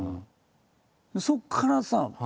そこからさ